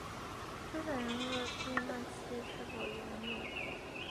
这反映了地幔楔是否熔融。